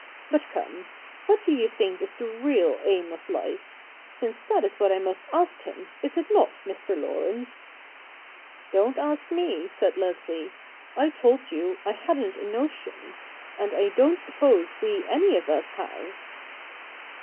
But come — what do you think is the real aim of life ?— since that is what I must ask him, is it not, Mr. Laurence ?' CH. Ill] THE NEW REPUBLIC 21 'Don't ask me,' said Leslie; 'I told you I hadn't a notion ; and I don't suppose we any of us have.'